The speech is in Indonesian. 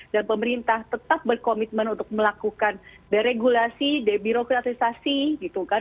dan pemerintah tetap berkomitmen untuk melakukan deregulasi debirokratisasi gitu kan